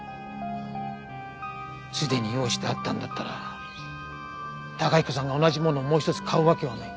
すでに用意してあったんだったら崇彦さんが同じものをもう一つ買うわけはない。